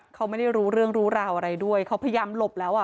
เขาไม่ได้รู้เรื่องรู้ราวอะไรด้วยเขาพยายามหลบแล้วอ่ะ